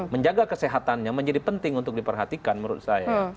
menjaga kesehatannya menjadi penting untuk diperhatikan menurut saya